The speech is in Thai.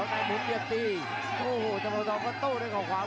แต่หมดยกครับพักเดี๋ยวครับ